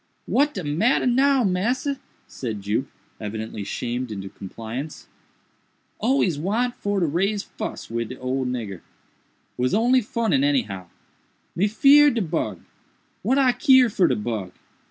"What de matter now, massa?" said Jup, evidently shamed into compliance; "always want for to raise fuss wid old nigger. Was only funnin any how. Me feered de bug! what I keer for de bug?"